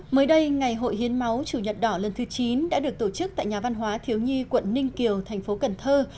mới đây ngày hội hiến máu chủ nhật đỏ lần thứ chín đã được tổ chức tại nhà văn hóa thiếu nhi quận ninh kiều thành phố cần thơ